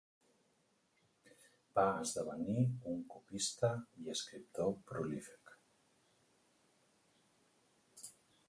Va esdevenir un copista i escriptor prolífic.